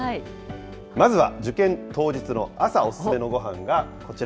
まずは受験当日の朝、お勧めのごはんが、こちら。